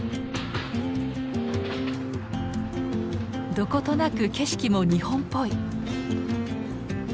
どことなく景色も日本っぽい。